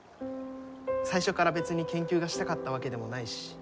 最初から別に研究がしたかったわけでもないし。